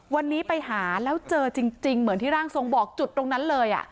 วันนี้ไปหาแล้วเจอจริงเหมือนที่ร่างทรงบอกจุดตรงนั้นเลย